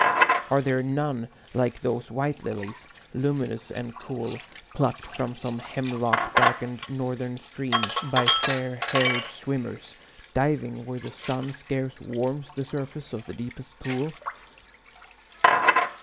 Are there none Like those white lilies, luminous and cool, Plucked from some hemlock darkened northern stream By fair haired swimmers, diving where the sun Scarce warms the surface of the deepest pool?